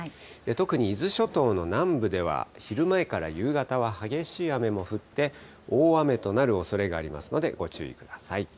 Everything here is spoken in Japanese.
特に伊豆諸島の南部では、昼前から夕方は激しい雨も降って、大雨となるおそれがありますので、ご注意ください。